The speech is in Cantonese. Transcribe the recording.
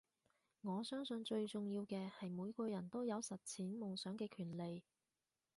我相信最重要嘅係每個人都有實踐夢想嘅權利